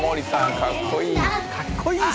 かっこいいし。